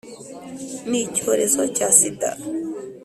N icyorezo cya sida